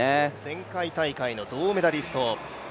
前回大会の銅メダリスト。